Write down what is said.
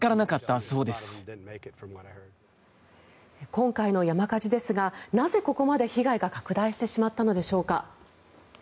今回の山火事ですがなぜ、ここまで被害が拡大してしまったのでしょうか。